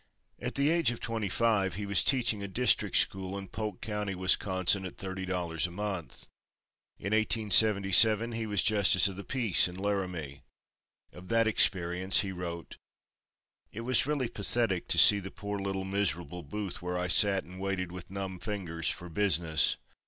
At the age of twenty five, he was teaching a district school in Polk County, Wisconsin, at thirty dollars a month. In 1877 he was justice of the peace in Laramie. Of that experience he wrote: "It was really pathetic to see the poor little miserable booth where I sat and waited with numb fingers for business.